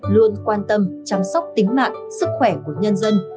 luôn quan tâm chăm sóc tính mạng sức khỏe của nhân dân